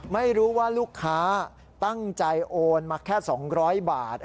ไม่รู้ว่าลูกค้าตั้งใจโอนมาแค่๒๐๐บาท